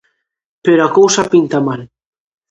Pero a cousa pinta mal.